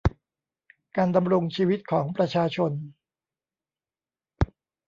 การดำรงชีวิตของประชาชน